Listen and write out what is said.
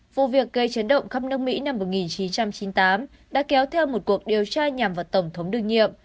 vụ việc gây chấn động khắp nước mỹ năm một nghìn chín trăm chín mươi tám đã kéo theo một cuộc điều tra nhằm vào tổng thống đương nhiệm